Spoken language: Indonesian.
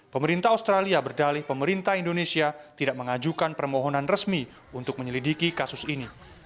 pemerintah australia berdalih pemerintah indonesia tidak mengajukan permohonan resmi untuk menyelidiki kasus ini